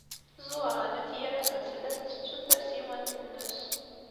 Ẓuhṛa n At Yiraten tella tettettu tasiwant-nnes.